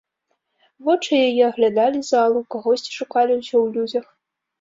Вочы яе аглядалі залу, кагосьці шукалі ўсё ў людзях.